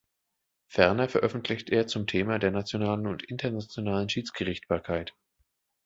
Ferner veröffentlicht er zum Thema der nationalen und internationalen Schiedsgerichtsbarkeit.